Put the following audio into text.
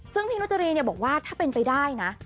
ซึ่งพี่นุจรีเนี่ยบอกว่าถ้าเป็นไปได้นะ